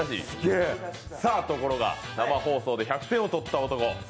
ところが生放送で１００点を取った男。